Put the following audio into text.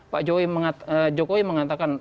pak jokowi mengatakan